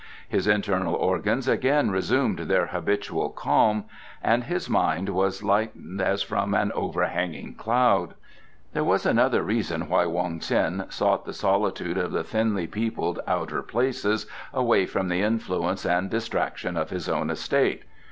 His internal organs again resumed their habitual calm and his mind was lightened as from an overhanging cloud. There was another reason why Wong Ts'in sought the solitude of the thinly peopled outer places, away from the influence and distraction of his own estate.